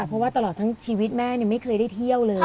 เพราะว่าตลอดทั้งชีวิตแม่ไม่เคยได้เที่ยวเลย